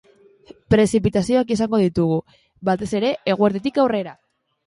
Prezipitazioak izango ditugu, batez ere eguerditik aurrera.